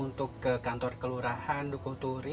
untuk ke kantor kelurahan dukuh turi